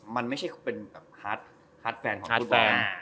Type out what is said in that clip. มันไม่ใช่เป็นฮาร์ดแฟนของฟุตบอล